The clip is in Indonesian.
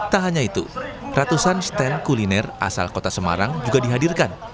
tak hanya itu ratusan stand kuliner asal kota semarang juga dihadirkan